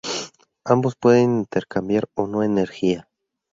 Ambos pueden intercambiar o no energía.